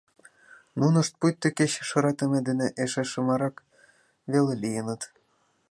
Нунышт пуйто кече шыратыме дене эше шымарак веле лийыныт.